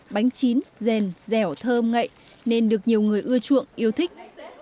bánh chín rèn dẻo thơm ngậy nên được nhiều người ưa chuộng yêu thích